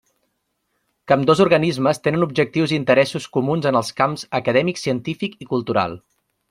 Que ambdós organismes tenen objectius i interessos comuns en els camps acadèmic, científic i cultural.